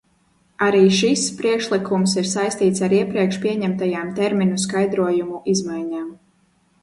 Arī šis priekšlikums ir saistīts ar iepriekš pieņemtajām terminu skaidrojumu izmaiņām.